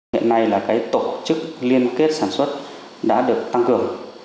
hiện nay là cái tổ chức liên kết sản xuất đã được tăng cường